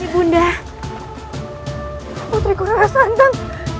bunda putriku rasa hantam